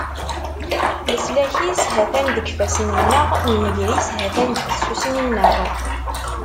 Leslak-is ha-t-a deg yifassen-nneɣ, nnger-is ha-t-a deg tsusmi-nneɣ.